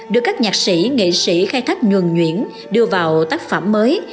được các nhạc sĩ nghệ sĩ khai thác nhuồn nhuyễn đưa vào tác phẩm mới